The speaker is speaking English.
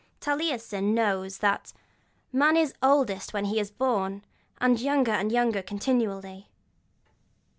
Taliesin knows that 'man is oldest when he is born, and is younger and younger continually.'